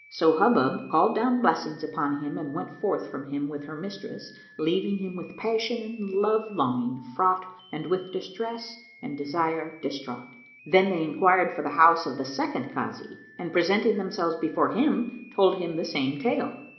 So Hubub called down blessings upon him and went forth from him with her mistress, leaving him with passion and love longing fraught and with distress and desire distraught. Then they enquired for the house of the second Kazi and presenting themselves before him, told him the same tale.